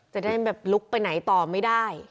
จะได้แบบลุกไปไหนต่อไม่ได้